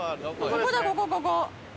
ここだここここ。